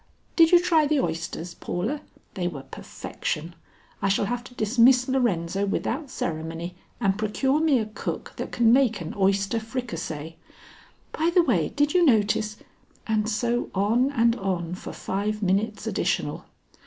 Did you try the oysters, Paula? They were perfection, I shall have to dismiss Lorenzo without ceremony and procure me a cook that can make an oyster fricassee. By the way did you notice " and so on and on for five minutes additional.